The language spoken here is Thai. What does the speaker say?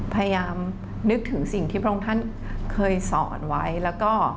พยายามนึกถึงสิ่งที่พระองค์ท่านเคยสอนไว้แล้วก็